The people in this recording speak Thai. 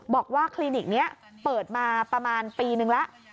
บอกว่าคลินิกนี้เปิดมาประมาณปีหนึ่งแล้ว